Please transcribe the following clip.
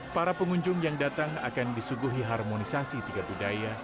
para pengunjung yang datang akan disuguhi harmonisasi tiga budaya